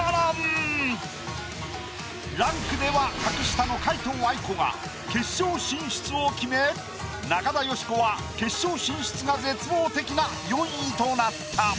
ランクでは格下の皆藤愛子が決勝進出を決め中田喜子は決勝進出が絶望的な４位となった。